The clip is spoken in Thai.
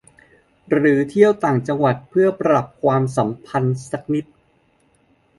หรือเที่ยวต่างจังหวัดเพื่อปรับความสัมพันธ์สักนิด